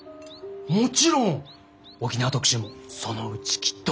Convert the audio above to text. もちろん沖縄特集もそのうちきっと。